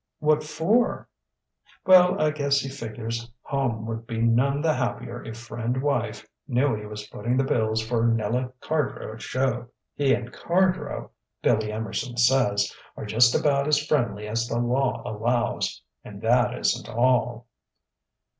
"What for?" "Well, I guess he figures home would be none the happier if Friend Wife knew he was footing the bills for Nella Cardrow's show. He and Cardrow, Billy Emerson says, are just about as friendly as the law allows and that isn't all."